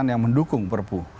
yang mendukung perpu